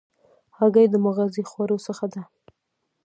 هګۍ د مغذي خوړو څخه ده.